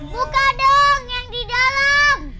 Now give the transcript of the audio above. buka dong yang di dalam